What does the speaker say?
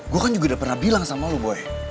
gue kan juga udah pernah bilang sama lo boy